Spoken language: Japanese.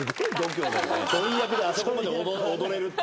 ちょい役であそこまで踊れるって。